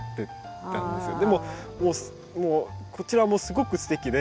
でもこちらもすごくすてきで